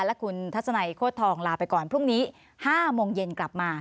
และคุณทัศนัยโคตรทองลาไปก่อนพรุ่งนี้๕โมงเย็นกลับมา